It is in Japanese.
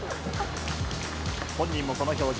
本人もこの表情。